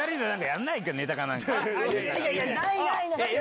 いやいやないない！